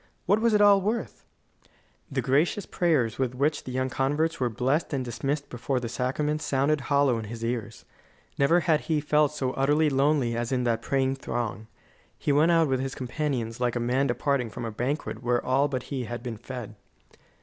What was it all worth? The gracious prayers with which the young converts were blessed and dismissed before the sacrament sounded hollow in his ears. Never had he felt so utterly lonely as in that praying throng. He went out with his companions like a man departing from a banquet where all but he had been fed.